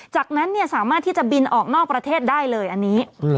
จากนั้นสามารถที่จะบินออกนอกประเทศได้เลยอันนี้